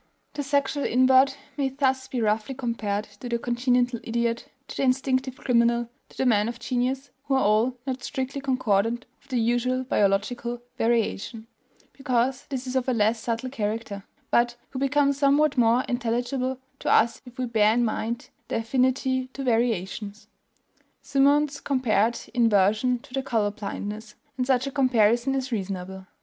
The sexual invert may thus be roughly compared to the congenital idiot, to the instinctive criminal, to the man of genius, who are all not strictly concordant with the usual biological variation (because this is of a less subtle character), but who become somewhat more intelligible to us if we bear in mind their affinity to variations. Symonds compared inversion to color blindness; and such a comparison is reasonable.